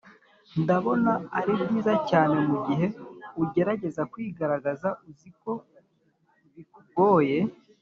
ndabona ari byiza cyane mugihe ugerageza kwigaragaza uzi ko bikugoye.